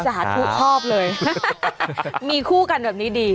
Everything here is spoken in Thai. จะหาทุกครอบเลยมีคู่กันแบบนี้ดี